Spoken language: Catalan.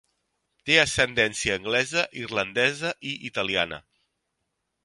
Té ascendència anglesa, irlandesa i italiana.